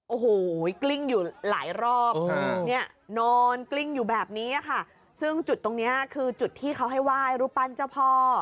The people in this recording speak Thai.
โอ้โหกลิ้งอยู่หลายรอบเนี่ยนอนกลิ้งอยู่แบบนี้ค่ะซึ่งจุดตรงนี้คือจุดที่เขาให้ไหว้รูปปั้นเจ้าพ่อ